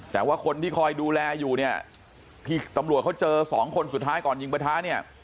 แต่ว่าคนที่คอยดูแลอยู่เนี่ยที่ตำรวจเขาเจอสองคนสุดท้ายก่อนยิงประทะเนี่ย